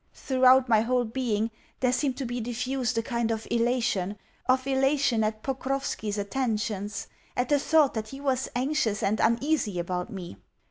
Throughout my whole being there seemed to be diffused a kind of elation of elation at Pokrovski's attentions, at the thought that he was anxious and uneasy about me.